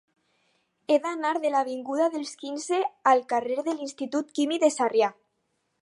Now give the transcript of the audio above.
He d'anar de l'avinguda dels Quinze al carrer de l'Institut Químic de Sarrià.